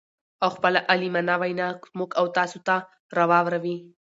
او خپله عالمانه وينا موږ او تاسو ته را واور وي.